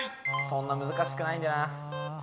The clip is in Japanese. そんな難しくないんだよな。